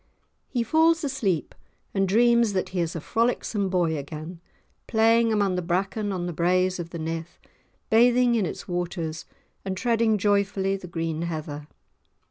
He falls asleep and dreams that he is a frolicsome boy again, playing amongst the bracken on the braes of the Nith, bathing in its waters and treading joyfully the green heather.